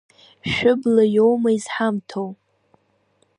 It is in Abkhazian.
Шәыбла иоума изҳамҭоу?